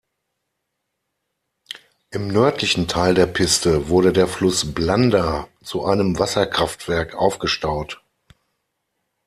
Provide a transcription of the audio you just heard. Im nördlichen Teil der Piste wurde der Fluss Blanda zu einem Wasserkraftwerk aufgestaut.